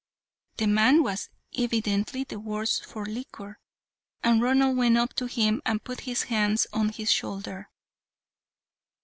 The man was evidently the worse for liquor, and Ronald went up to him and put his hand on his shoulder.